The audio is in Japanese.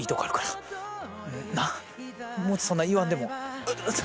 なっそんな言わんでも。